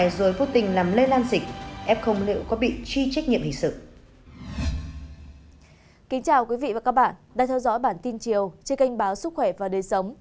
kính chào quý vị và các bạn đang theo dõi bản tin chiều trên kênh báo sức khỏe và đời sống